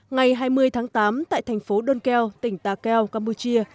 ngày hai mươi tháng tám tại thành phố donkeo tỉnh takeo campuchia